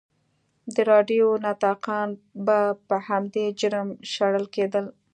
د راډیو نطاقان به په همدې جرم شړل کېدل.